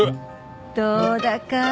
どうだか。